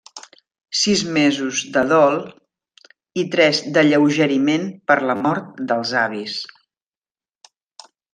Sis mesos de dol i tres d'alleugeriment per la mort dels avis.